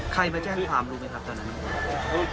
ใครมาแจ้งความรู้ไหมครับตอนนั้น